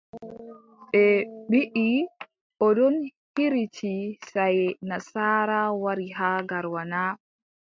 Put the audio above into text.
Ɓe mbiʼi on ɗo hiriti saaye nasaara, wari haa Garoua na ?